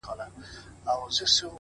o اوس مي د سپين قلم زهره چاودلې؛